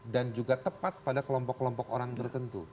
dan juga tepat pada kelompok kelompok orang tertentu